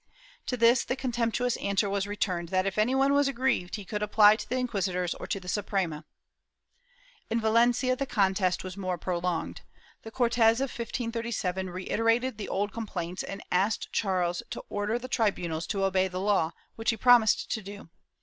To this the contemptuous answer was returned that if any one was aggrieved he could apply to the inquisitors or to the Suprema/ In Valencia the contest was more prolonged. The Cortes of 1537 reiterated the old complaints and asked Charles to order the tribunals to obey the law, which he promised to do.